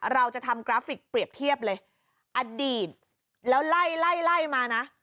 เราจะทำกราฟิกเปรียบเทียบเลยอดีตแล้วไล่ไล่มานะ